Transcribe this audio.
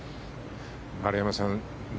丸山さん